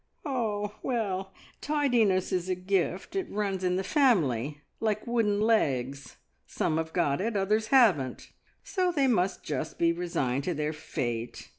"Ah, well, tidiness is a gift. It runs in the family like wooden legs. Some have got it, and others haven't, so they must just be resigned to their fate.